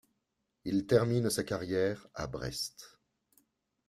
Il termine sa carrière à Brest.